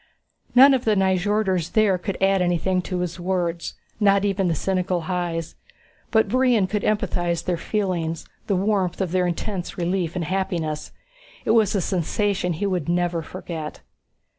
None of the Nyjorders there could add anything to his words, not even the cynical Hys. But Brion could empathize their feelings, the warmth of their intense relief and happiness. It was a sensation he would never forget.